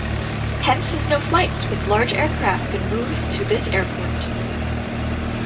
Hence has no flights with large aircraft been moved to this airport.